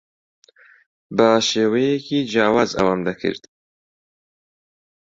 بە شێوەیەکی جیاواز ئەوەم دەکرد.